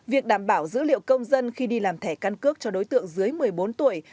việc đảm bảo dữ liệu công dân khi đi làm thẻ căn cước cho đối tượng dưới một mươi bốn tuổi